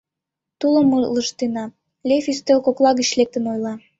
Тулым ылыжтена, — Лев ӱстел кокла гыч лектын ойла.